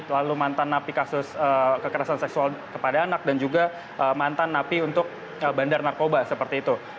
lalu mantan napi kasus kekerasan seksual kepada anak dan juga mantan napi untuk bandar narkoba seperti itu